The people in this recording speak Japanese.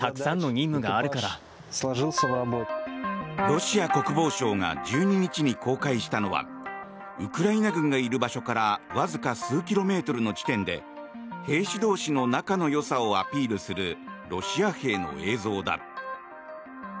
ロシア国防省が１２日に公開したのはウクライナ軍がいる場所からわずか数キロメートルの地点で兵士同士の仲のよさをアピールするロシア兵の映像だ。